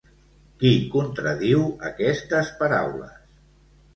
Qui contradiu aquestes paraules?